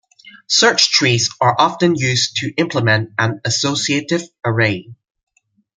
Search trees are often used to implement an associative array.